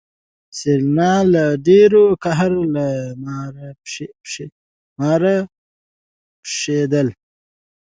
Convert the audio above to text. سېرېنا له ډېره قهره لکه مار پشېدله.